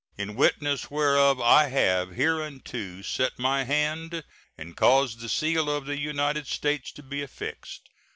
In witness whereof I have hereunto set my hand and caused the seal of the United States to be affixed.